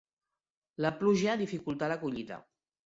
La pluja dificultà la collita.